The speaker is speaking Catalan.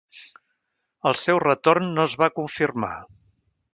El seu retorn no es va confirmar.